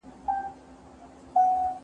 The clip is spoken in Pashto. هر ماشوم ته بايد د زده کړې زمينه برابره سي.